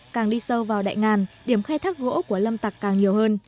càng đi sâu vào đại ngàn điểm khai thác gỗ của lâm tặc càng nhiều hơn